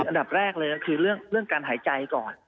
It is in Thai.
อันดับแรกเลยก็คือเรื่องการหายใจก่อน